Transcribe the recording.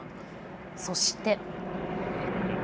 そして。